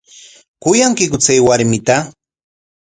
¿Kuyankiku chay warmita?